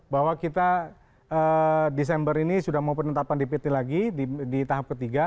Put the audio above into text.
bahwa kita desember ini sudah mau penetapan dpt lagi di tahap ketiga